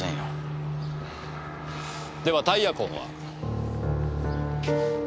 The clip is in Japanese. ではタイヤ痕は？